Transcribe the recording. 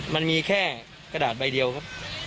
มันมีแค่กระดาษใบเดียวครับ